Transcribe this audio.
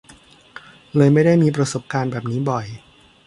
เลยไม่ได้มีประสบการณ์แบบนี้บ่อย